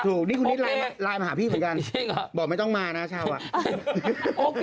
ถูกนี่คุณนิดไลน์มาหาพี่เหมือนกันบอกไม่ต้องมานะชาวอ่ะ